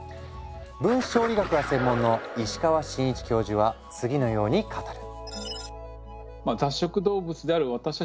分子調理学が専門の石川伸一教授は次のように語る。